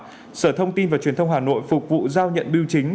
và sở thông tin và truyền thông hà nội phục vụ giao nhận bưu chính